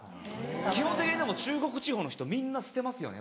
基本的にでも中国地方の人みんな捨てますよね。